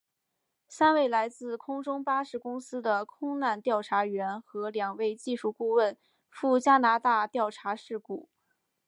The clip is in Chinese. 三位来自空中巴士公司的空难调查员和两位技术顾问赴加拿大调查事故。